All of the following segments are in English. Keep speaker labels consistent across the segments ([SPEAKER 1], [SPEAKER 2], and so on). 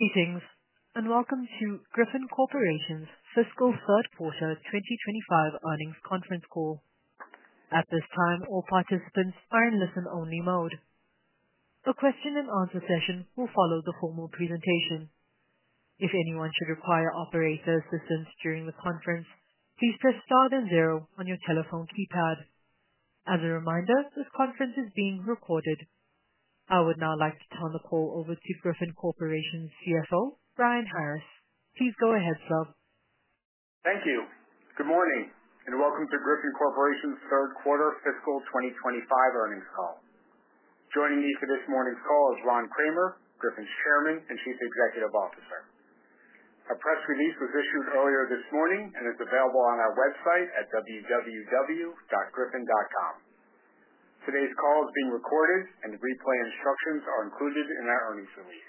[SPEAKER 1] Greetings, and welcome to Griffon Corporation's Fiscal Third Quarter 2025 Earnings Conference Call. At this time, all participants are in listen-only mode. A question and answer session will follow the formal presentation. If anyone should require operator assistance during the conference, please press star then zero on your telephone keypad. As a reminder, this conference is being recorded. I would now like to turn the call over to Griffon Corporation's CFO, Brian Harris. Please go ahead, sir.
[SPEAKER 2] Thank you. Good morning, and welcome to Griffon Corporation's third quarter fiscal 2025 earnings call. Joining me for this morning's call is Ronald Kramer, Griffon's Chairman and Chief Executive Officer. Our press release was issued earlier this morning and is available on our website at www.griffon.com. Today's call is being recorded, and replay instructions are included in our earnings release.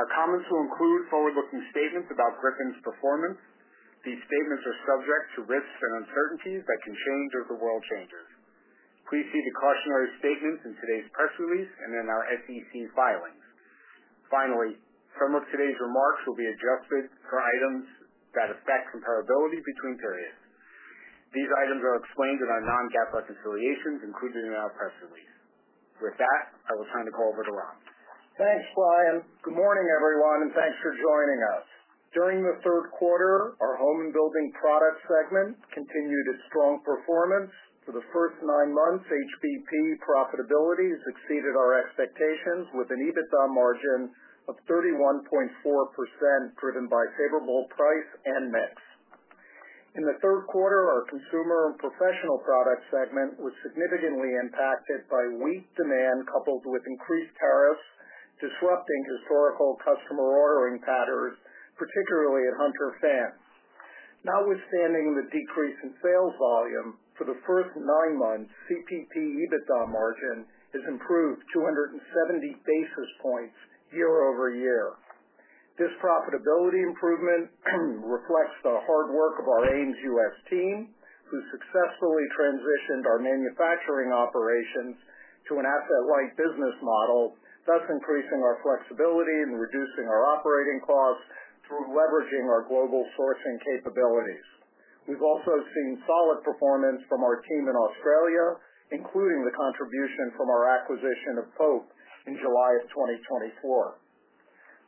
[SPEAKER 2] Our comments will include forward-looking statements about Griffon's performance. These statements are subject to risks and uncertainties that can change as the world changes. Please see the cautionary statements in today's press release and in our SEC filings. Finally, some of today's remarks will be adjusted for items that affect comparability between periods. These items are explained in our non-GAAP reconciliations included in our press release. With that, I will turn the call over to Ron.
[SPEAKER 3] Thanks, Brian. Good morning, everyone, and thanks for joining us. During the third quarter, our Home and Building Product segment continued its strong performance. For the first nine months, HBP profitability has exceeded our expectations with an EBITDA margin of 31.4%, driven by favorable price and mix. In the third quarter, our Consumer and Professional Product segment was significantly impacted by weak demand coupled with increased tariffs, disrupting historical customer ordering patterns, particularly at Hunter Fans. Notwithstanding the decrease in sales volume, for the first nine months, CPP EBITDA margin has improved 270 basis points year-over-year. This profitability improvement reflects the hard work of our AMES U.S. team, who successfully transitioned our manufacturing operations to an asset-light, global sourcing model, thus increasing our flexibility and reducing our operating costs through leveraging our global sourcing capabilities. We've also seen solid performance from our team in Australia, including the contribution from our acquisition of Pope in July of 2024.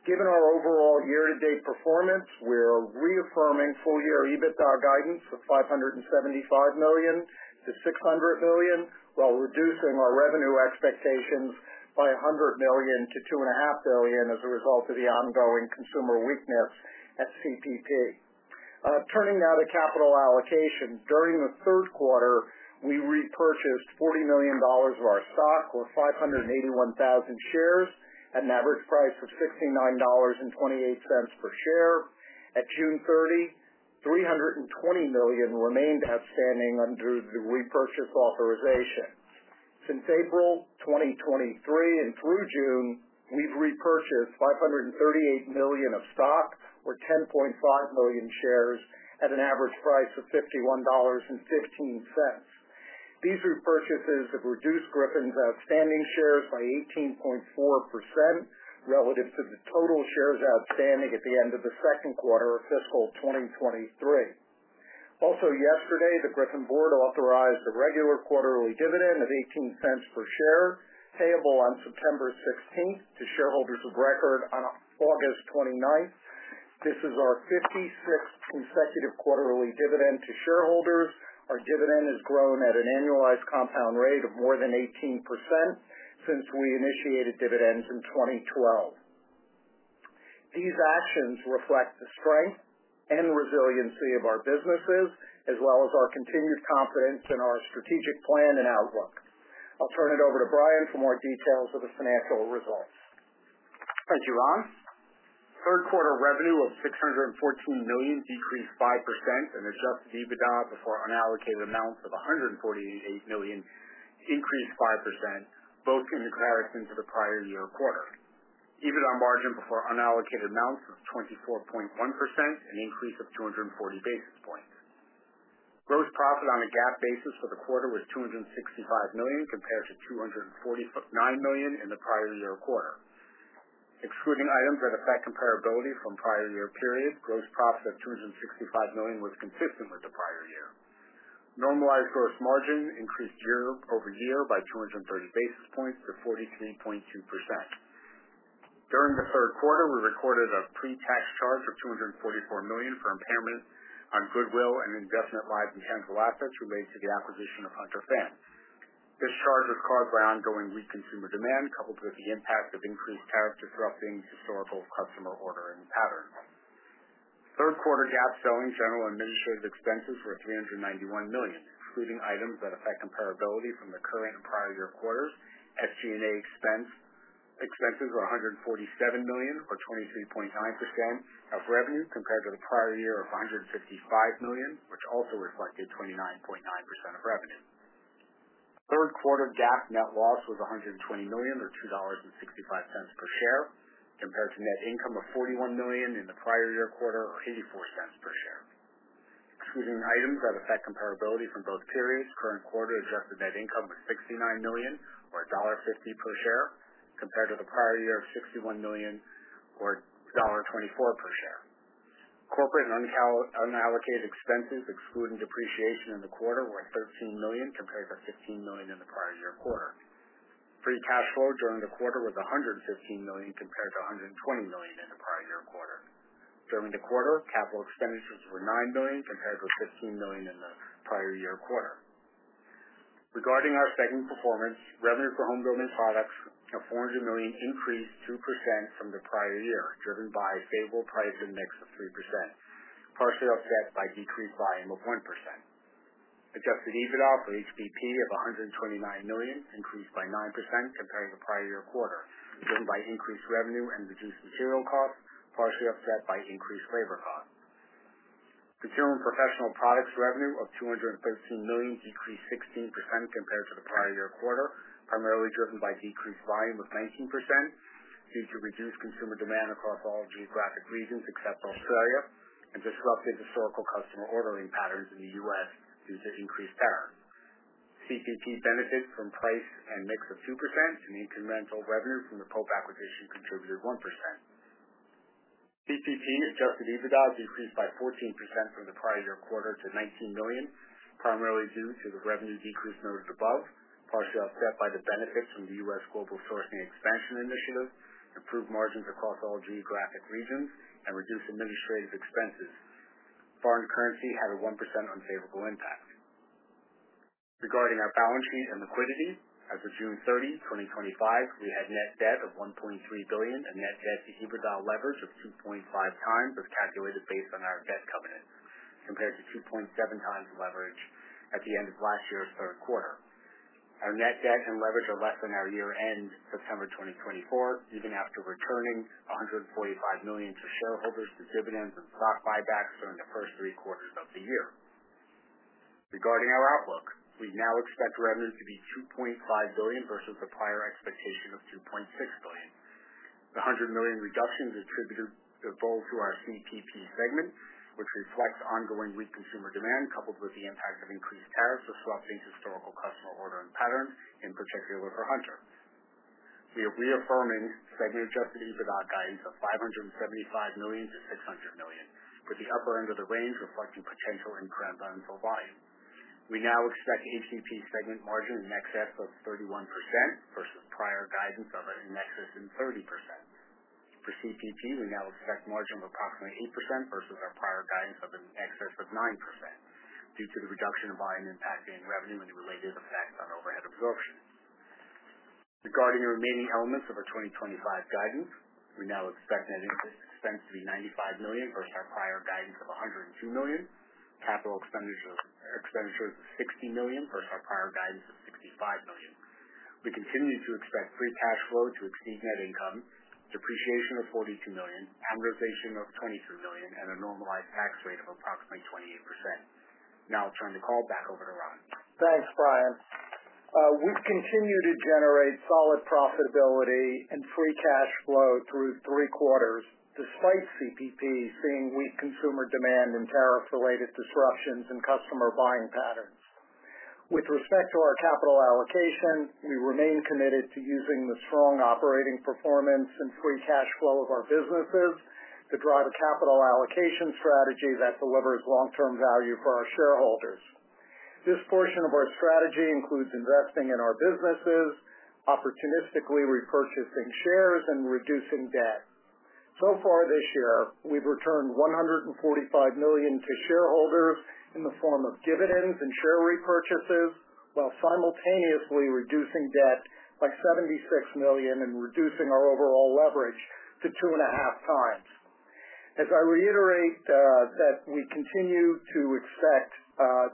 [SPEAKER 3] Given our overall year-to-date performance, we're reaffirming full-year EBITDA guidance with $575 million-$600 million, while reducing our revenue expectations by $100 million to $2.5 billion as a result of the ongoing consumer weakness at CPP. Turning now to capital allocation, during the third quarter, we repurchased $40 million of our stock, or 581,000 shares, at an average price of $69.28 per share. At June 30, $320 million remained outstanding under the repurchase authorization. Since April 2023 and through June, we've repurchased $538 million of stock, or 10.5 million shares, at an average price of $51.15. These repurchases have reduced Griffon's outstanding shares by 18.4% relative to the total shares outstanding at the end of the second quarter of fiscal 2023. Also, yesterday, the Griffon board authorized a regular quarterly dividend of $0.18 per share, payable on September 15 to shareholders of record on August 29. This is our 56th consecutive quarterly dividend to shareholders. Our dividend has grown at an annualized compound rate of more than 18% since we initiated dividends in 2012. These actions reflect the strength and resiliency of our businesses, as well as our continued confidence in our strategic plan and outlook. I'll turn it over to Brian for more details of the financial results.
[SPEAKER 2] Thank you, Ron. Third quarter revenue of $614 million decreased 5%, and adjusted EBITDA before unallocated amounts of $148 million increased 5%, both in comparison to the prior year quarter. EBITDA margin before unallocated amounts was 24.1%, an increase of 240 basis points. Gross profit on a GAAP basis for the quarter was $265 million, compared to $249 million in the prior year quarter. Excluding items that affect comparability from prior year periods, gross profit at $265 million was consistent with the prior year. Normalized gross margin increased year-over-year by 230 basis points to 43.2%. During the third quarter, we recorded a pre-tax charge of $244 million for impairment on goodwill and indefinite-lived intangible assets related to the acquisition of Hunter Fans. This charge was caused by ongoing weak consumer demand, coupled with the impact of increased tariffs disrupting historical customer ordering patterns. Third quarter GAAP selling, general, and administrative expenses were $391 million. Excluding items that affect comparability from the current and prior year quarter, SG&A expenses were $147 million, or 23.9% of revenue, compared to the prior year of $155 million, which also reflected 25.9% of revenue. Third quarter GAAP net loss was $120 million, or $2.65 per share, compared to net income of $41 million in the prior year quarter, or $0.84 per share. Excluding items that affect comparability from both periods, current quarter adjusted net income was $69 million, or $1.50 per share, compared to the prior year of $61 million, or $1.24 per share. Corporate and unallocated expenses, excluding depreciation in the quarter, were $13 million, compared to $15 million in the prior year quarter. Free cash flow during the quarter was $115 million, compared to $120 million in the prior year quarter. During the quarter, capital expenditures were $9 million, compared to $15 million in the prior year quarter. Regarding our segment performance, revenue for Home and Building Products of $400 million increased 2% from the prior year, driven by a favorable price and mix of 3%, partially offset by decreased volume of 1%. Adjusted EBITDA for HBP of $129 million increased by 9% compared to the prior year quarter, driven by increased revenue and reduced material costs, partially offset by increased labor costs. Consumer and Professional Products revenue of $213 million decreased 16% compared to the prior year quarter, primarily driven by decreased volume of 19% due to reduced consumer demand across all geographic regions except Australia, and disrupted historical customer ordering patterns in the U.S. due to increased tariffs. CPP benefits from price and mix of 2%, and incremental revenue from the Pope acquisition contributed 1%. CPP's adjusted EBITDA decreased by 14% from the prior year quarter to $19 million, primarily due to the revenue decrease noted above, partially offset by the benefits from the U.S. global sourcing expansion initiative, improved margins across all geographic regions, and reduced administrative expenses. Foreign currency had a 1% unfavorable impact. Regarding our balance sheet and liquidity, as of June 30, 2025, we had net debt of $1.3 billion and net debt to EBITDA leverage of 2.5x, as calculated based on our debt covenant, compared to 2.7x leverage at the end of last year's third quarter. Our net debt and leverage are less than our year-end September 2024, even after returning $145 million to shareholders, the dividends, and stock buybacks during the first three quarters of the year. Regarding our outlook, we now expect revenue to be $2.5 billion versus the prior expectation of $2.6 billion. The $100 million reduction is attributed to both our CPP segment, which reflects ongoing weak consumer demand, coupled with the impact of increased tariffs disrupting historical customer ordering patterns, in particular for Hunter. We are reaffirming the segment adjusted EBITDA guidance of $575 million-$600 million, with the upper end of the range reflecting potential incremental volume. We now expect the CPP segment margin in excess of 31% versus prior guidance of an excess of 30%. For CPP, we now expect a margin of approximately 8% versus our prior guidance of an excess of 9% due to the reduction in volume impacting revenue and the related effects on overhead absorption. Regarding the remaining elements of our 2025 guidance, we now expect net interest expense to be $95 million versus our prior guidance of $102 million. Capital expenditures are $60 million versus our prior guidance of $65 million. We continue to expect free cash flow to exceed net income, depreciation of $42 million, amortization of $22 million, and a normalized tax rate of approximately 28%. Now I'll turn the call back over to Ron.
[SPEAKER 3] Thanks, Brian. We've continued to generate solid profitability and free cash flow through three quarters, despite CPP seeing weak consumer demand and tariff-related disruptions in customer buying patterns. With respect to our capital allocation, we remain committed to using the strong operating performance and free cash flow of our businesses to drive a capital allocation strategy that delivers long-term value for our shareholders. This portion of our strategy includes investing in our businesses, opportunistically repurchasing shares, and reducing debt. This year, we've returned $145 million to shareholders in the form of dividends and share repurchases, while simultaneously reducing debt by $76 million and reducing our overall leverage to 2.5x. I reiterate that we continue to expect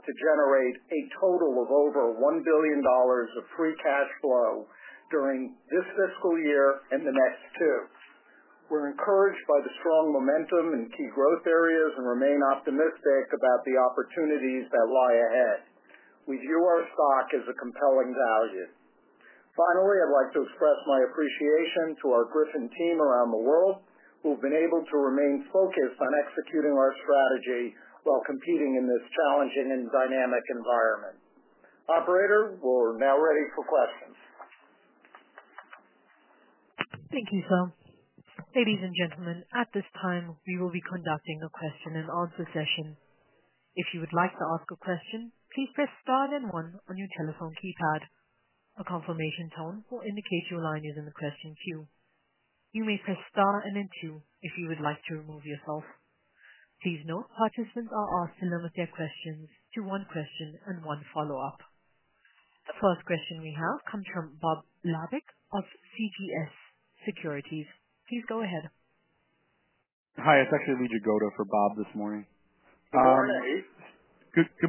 [SPEAKER 3] to generate a total of over $1 billion of free cash flow during this fiscal year and the next two. We're encouraged by the strong momentum in key growth areas and remain optimistic about the opportunities that lie ahead. We view our stock as a compelling value. Finally, I'd like to express my appreciation to our Griffon team around the world, who have been able to remain focused on executing our strategy while competing in this challenging and dynamic environment. Operator, we're now ready for questions.
[SPEAKER 1] Thank you, sir. Ladies and gentlemen, at this time, we will be conducting a question-and-answer session. If you would like to ask a question, please press star then one on your telephone keypad. A confirmation tone will indicate your line is in the question queue. You may press star then two if you would like to remove yourself. Please note participants are asked to limit their questions to one question and one follow-up. The first question we have comes from Lee Jagoda of CJS Securities. Please go ahead.
[SPEAKER 4] Hi, it's actually Lee Jagoda for Bob this morning. Good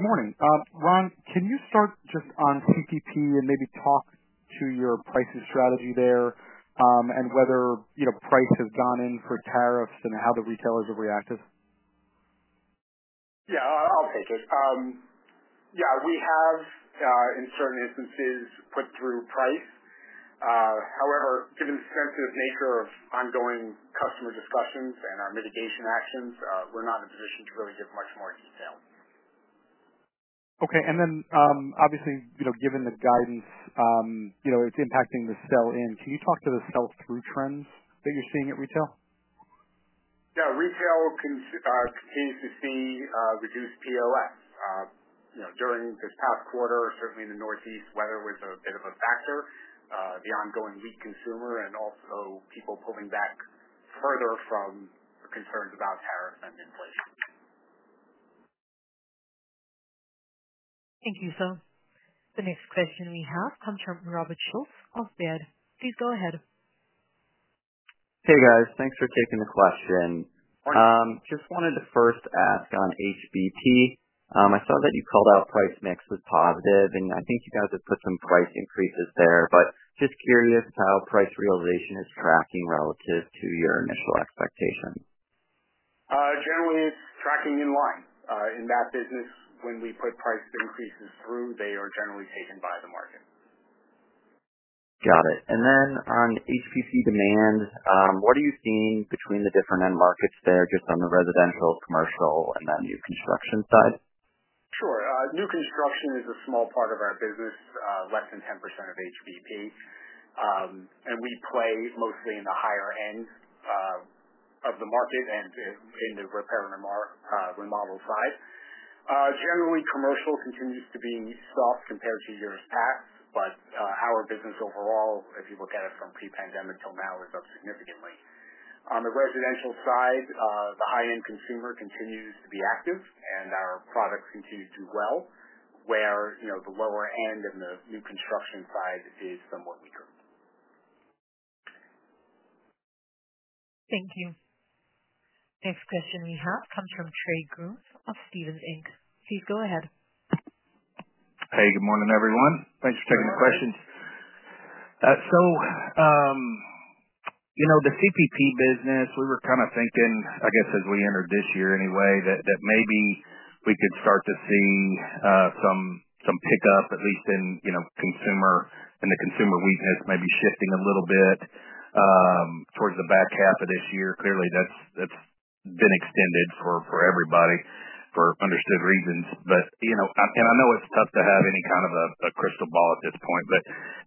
[SPEAKER 4] morning. Ron, can you start just on CPP and maybe talk to your pricing strategy there, and whether, you know, price has gone in for tariffs and how the retailers have reacted?
[SPEAKER 3] I'll take it. Yeah, we have, in certain instances, put through price. However, given the sensitive nature of ongoing customer discussions and our mitigation actions, we're not in a position to really give much more detail.
[SPEAKER 4] Okay. Obviously, you know, given the guidance, you know, it's impacting the sell-in. Can you talk to the sell-through trends that you're seeing at retail?
[SPEAKER 3] Yeah, retail continues to see reduced POS. You know, during this past quarter, certainly in the Northeast, weather was a bit of a factor. The ongoing weak consumer and also people pulling back further from the concerns about tariffs and inflation.
[SPEAKER 1] Thank you, sir. The next question we have comes from Robert Schultz of Baird. Please go ahead.
[SPEAKER 5] Hey, guys. Thanks for taking the question. I just wanted to first ask on HBP. I saw that you called out price mix was positive, and I think you guys have put some price increases there, but just curious how price realization is tracking relative to your initial expectation.
[SPEAKER 2] Generally, it's tracking in line. In that business, when we put price increases through, they are generally taken by the market.
[SPEAKER 5] Got it. On HBP demand, what are you seeing between the different end markets there, just on the residential, commercial, and the construction side?
[SPEAKER 2] Sure. New construction is a small part of our business, less than 10% of HBP, and we play mostly in the higher end of the market and in the repair and remodel side. Generally, commercial continues to be soft compared to years past, but our business overall, if you look at it from pre-pandemic till now, is up significantly. On the residential side, the high-end consumer continues to be active, and our products continue to do well, where, you know, the lower end and the new construction side is the more eager.
[SPEAKER 1] Thank you. Next question we have comes from Trey Grooms of Stephens, Inc. Please go ahead.
[SPEAKER 6] Hey, good morning, everyone. Thanks for taking the questions. The CPP business, we were kind of thinking, I guess, as we entered this year anyway, that maybe we could start to see some pickup, at least in consumer, and the consumer weakness maybe shifting a little bit towards the back half of this year. Clearly, that's been extended for everybody for understood reasons. I know it's tough to have any kind of a crystal ball at this point, but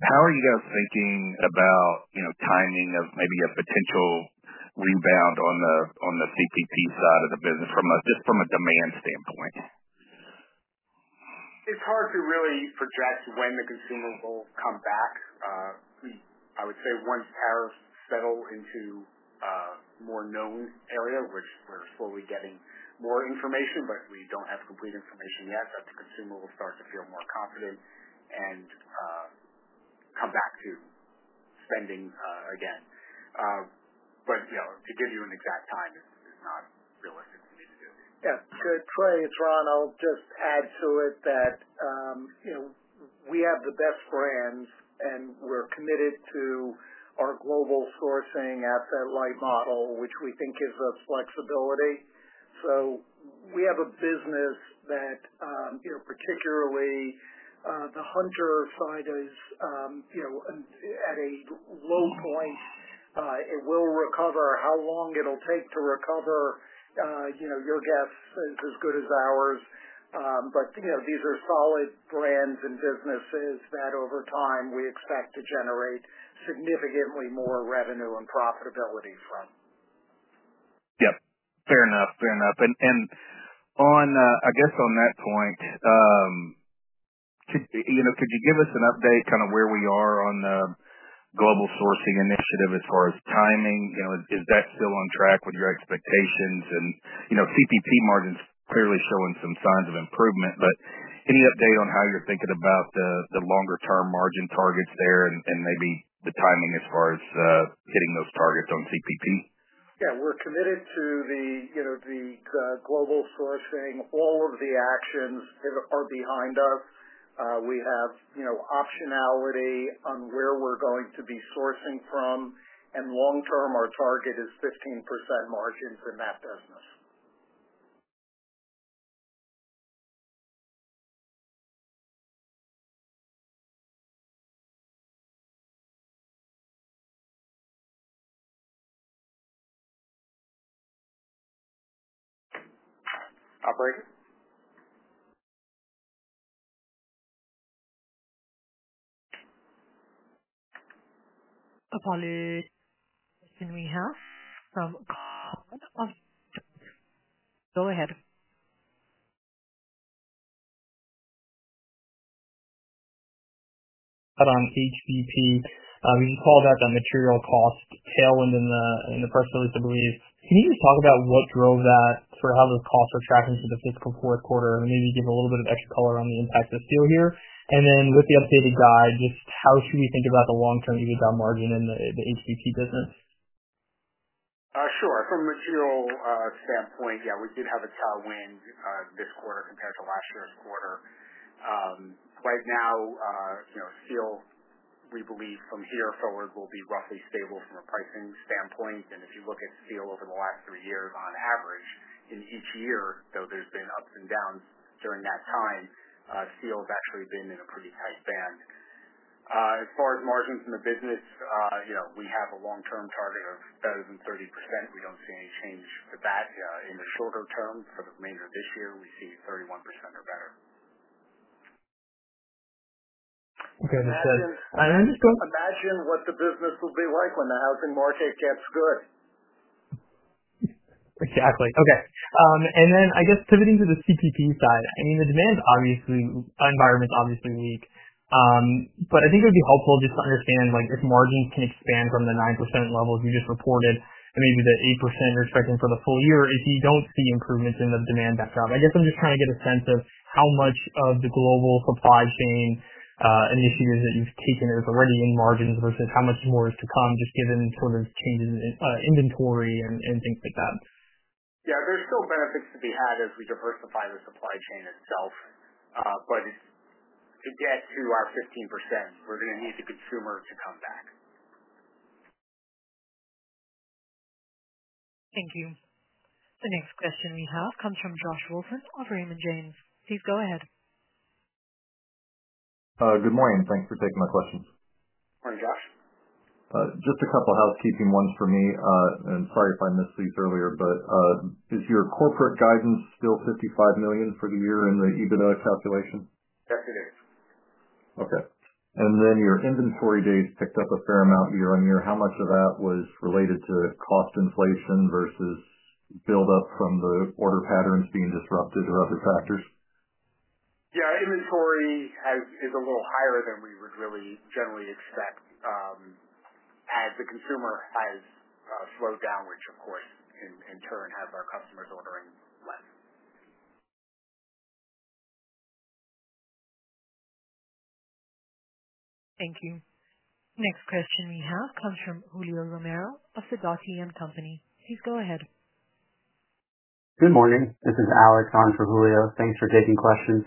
[SPEAKER 6] how are you guys thinking about timing of maybe a potential rebound on the CPP side of the business just from a demand standpoint?
[SPEAKER 2] It's hard to really project when the consumer will come back. I would say, once tariffs settle into more known areas, which we're slowly getting more information, but we don't have complete information yet, the consumer will start to feel more confident and come back to spending again. To give you an exact time, it's not realistic to me to do.
[SPEAKER 3] Yeah. Trey, it's Ron. I'll just add to it that, you know, we have the best brands, and we're committed to our global sourcing asset-light model, which we think gives us flexibility. We have a business that, particularly, the Hunter side is at a low point. It will recover. How long it'll take to recover, your guess is as good as ours. These are solid brands and businesses that, over time, we expect to generate significantly more revenue and profitability from.
[SPEAKER 6] Fair enough. On that point, could you give us an update kind of where we are on the global sourcing initiative as far as timing? Is that still on track with your expectations? CPP margins clearly showing some signs of improvement, but any update on how you're thinking about the longer-term margin targets there and maybe the timing as far as hitting those targets on CPP?
[SPEAKER 3] We're committed to the global sourcing. All of the actions are behind us. We have optionality on where we're going to be sourcing from. Long-term, our target is 15% margins in that business.
[SPEAKER 1] Question we have from. Go ahead. Around CPP. We can call that the material cost tailwind in the [personal integrity]. Can you just talk about what drove that, sort of how those costs are tracking for the fiscal fourth quarter? Maybe give a little bit of extra color on the impact of steel here. With the updated guide, just how should we think about the long-term EBITDA margin in the HPP business?
[SPEAKER 2] Sure. From a material standpoint, yeah, we did have a tailwind this quarter compared to last year's quarter. Right now, you know, steel, we believe, from here forward, will be roughly stable from a pricing standpoint. If you look at steel over the last three years, on average, in each year, though there's been ups and downs during that time, steel has actually been in a pretty high stand. As far as margins in the business, you know, we have a long-term target of better than 30%. We don't see any change with that. In the shorter term, for the remainder of this year, we see 31% or better. Okay, this is, I understand.
[SPEAKER 3] Imagine what the business will be like when the housing market gets good. Exactly. Okay. I guess pivoting to the CPP side, the demand's obviously, our environment's obviously unique. I think it would be helpful just to understand, like, if margins can expand from the 9% levels you just reported and maybe the 8% you're expecting for the full year, if you don't see improvements in the demand backdrop. I guess I'm just trying to get a sense of how much of the global supply chain initiatives that you've taken is already in margins versus how much more is to come, just given sort of changes in inventory and things like that.
[SPEAKER 2] Yeah, there's still benefits to be had as we diversify the supply chain itself, but to get to our 15%, we're going to need the consumer to come back.
[SPEAKER 1] Thank you. The next question we have comes from Josh Wilson of Raymond James. Please go ahead.
[SPEAKER 7] Good morning. Thanks for taking the questions. Just a couple of housekeeping ones for me. Sorry if I missed these earlier, but is your corporate guidance still $55 million for the year in the EBITDA calculation? Your inventory days picked up a fair amount year on year. How much of that was related to cost inflation versus buildup from the order patterns being disrupted or other factors?
[SPEAKER 2] Yeah, inventory is a little higher than we would really generally expect, as the consumer has slowed down, which, of course, in turn has our customers ordering less.
[SPEAKER 1] Thank you. Next question we have comes from Julio Romero of the Gauthier Company. Please go ahead. Good morning. This is Alex on for Julio. Thanks for taking questions.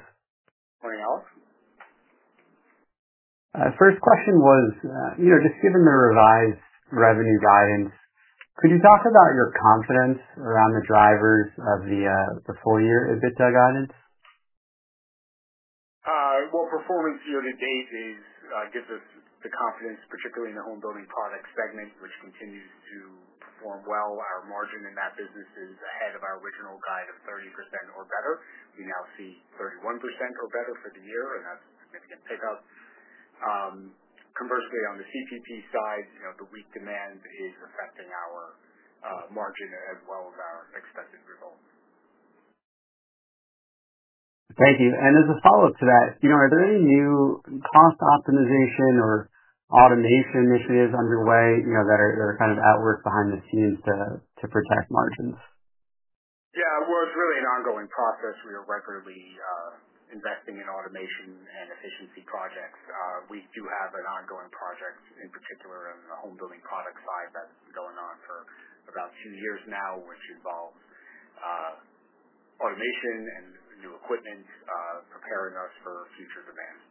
[SPEAKER 8] First question was, just given the revised revenue guidance, could you talk about your confidence around the drivers of the full-year EBITDA guidance? Performance year to date gives us the confidence, particularly in the home building product segment, which continues to perform well. Our margin in that business is ahead of our original guide of 30% or better. We now see 31% or better for the year, and that's a significant pickup. Conversely, on the CPP side, you know, the weak demand is affecting our margin as well as our expected results. Thank you. As a follow-up to that, Steven, are there any new cost optimization or automation initiatives underway that are at work behind the scenes to protect margins?
[SPEAKER 2] Yeah. It's really an ongoing process. We are regularly investing in automation and efficiency projects. We do have an ongoing project, in particular on the home building product side, that has been going on for about two years now, which involves automation and new equipment, preparing us for future demands.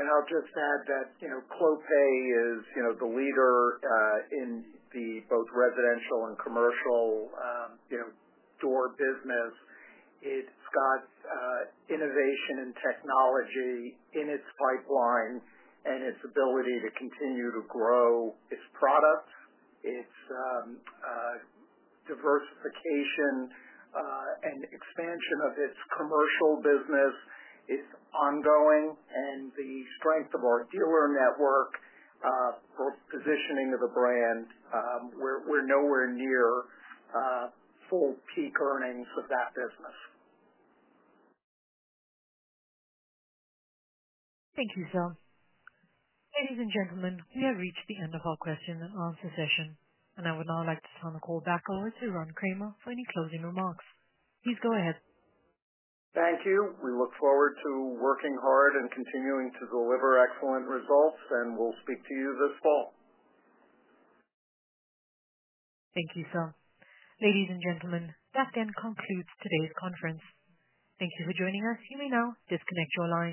[SPEAKER 3] Clopay Building Products is the leader in both the residential and commercial door business. It has innovation and technology in its pipeline and its ability to continue to grow its product. Its diversification and expansion of its commercial business is ongoing. The strength of our dealer network, or positioning of the brands, we're nowhere near full peak earnings of that business.
[SPEAKER 1] Thank you, sir. Ladies and gentlemen, we have reached the end of our question and answer session, and I would now like to turn the call back over to Ronald Kramer for any closing remarks. Please go ahead.
[SPEAKER 3] Thank you. We look forward to working hard and continuing to deliver excellent results, and we'll speak to you this fall.
[SPEAKER 1] Thank you, sir. Ladies and gentlemen, that concludes today's conference. Thank you for joining us. You may now disconnect your lines.